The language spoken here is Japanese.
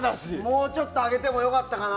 もうちょっと上げてもよかったかな。